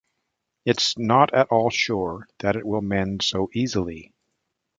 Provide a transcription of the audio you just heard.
It’s not at all sure that it will mend so easily.